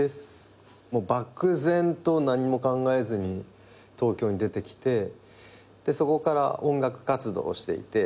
漠然と何にも考えずに東京に出てきてそこから音楽活動していて。